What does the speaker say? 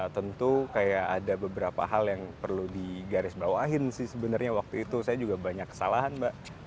tentu kayak ada beberapa hal yang perlu di garis bawahin sih sebenernya waktu itu saya juga banyak kesalahan mbak